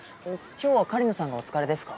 今日は狩野さんがお疲れですか？